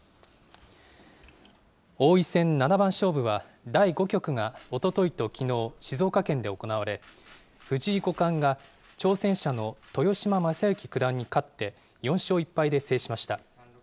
王位戦七番勝負は、第５局がおとといときのう、静岡県で行われ、藤井五冠が挑戦者の豊島将之九段に勝って、４勝１敗で制しました。